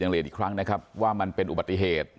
อย่างเล็กอีกครั้งนะครับว่ามันเป็นอุบัติเหตุ